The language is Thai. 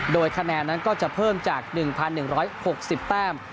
โดยคะแนนนั้นก็จะเพิ่มจาก๑๑๖๐แต้ม